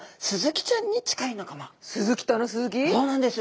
そうなんです。